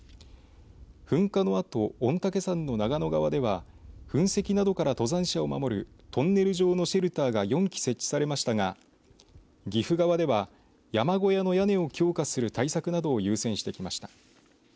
噴火のあと、御嶽山の長野側では噴石などから登山者を守るトンネル状のシェルターが４基設置されましたが岐阜側では、山小屋の屋根を強化する対策などを優先してきました。